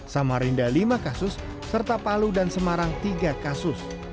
samarinda lima kasus serta palu dan semarang tiga kasus